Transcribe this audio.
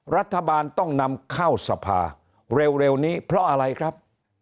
รัฐบาลต้องนำเข้าสภาเร็วนี้เพราะอะไรครับ